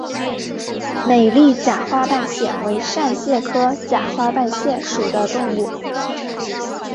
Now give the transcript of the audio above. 美丽假花瓣蟹为扇蟹科假花瓣蟹属的动物。